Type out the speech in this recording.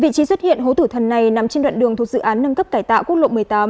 vị trí xuất hiện hố tử thần này nằm trên đoạn đường thuộc dự án nâng cấp cải tạo quốc lộ một mươi tám